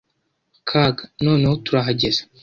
Kaga: Noneho turahageze